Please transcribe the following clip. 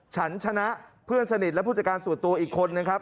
ฉันชนะเพื่อนสนิทและผู้จัดการส่วนตัวอีกคนนึงครับ